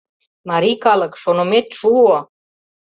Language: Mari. Марий калык, шонымет шуо!